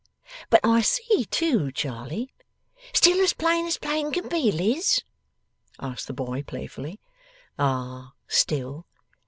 But I see too, Charley ' 'Still as plain as plain can be, Liz?' asked the boy playfully. 'Ah! Still.